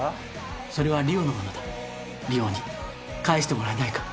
それは莉桜のものだ莉桜に返してもらえないか